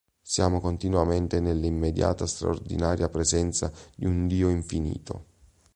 Siamo continuamente nelle immediata straordinaria presenza di un Dio infinito.